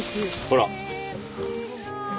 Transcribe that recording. ほら。